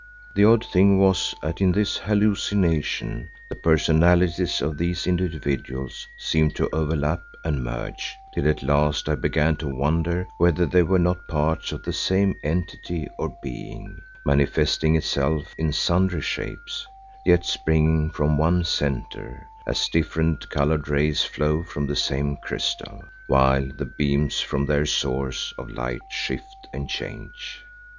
The odd thing was that in this hallucination the personalities of these individuals seemed to overlap and merge, till at last I began to wonder whether they were not parts of the same entity or being, manifesting itself in sundry shapes, yet springing from one centre, as different coloured rays flow from the same crystal, while the beams from their source of light shift and change.